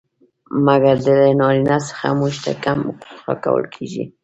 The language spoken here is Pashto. مګر له نارينه څخه موږ ته کم حقوق را کول کيږي.